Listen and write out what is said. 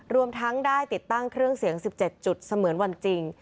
รวมทั้งได้ติดตั้งเครื่องเสียง๑๗จุดเสมือนวันจริง